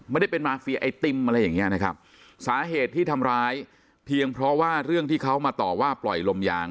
ไม่ได้เป็นมาเฟียไอติมอะไรอย่างเงี้ยนะครับสาเหตุที่ทำร้ายเพียงเพราะว่าเรื่องที่เขามาต่อว่าปล่อยลมยาง